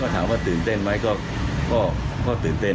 ถามว่าตื่นเต้นไหมก็ตื่นเต้น